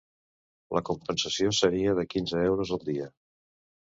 La compensació seria de quinze euros al dia.